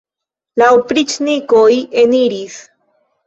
La opriĉnikoj eniris.